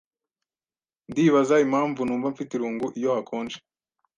Ndibaza impamvu numva mfite irungu iyo hakonje.